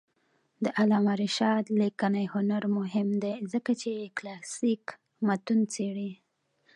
د علامه رشاد لیکنی هنر مهم دی ځکه چې کلاسیک متون څېړي.